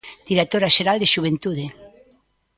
Directora xeral de Xuventude.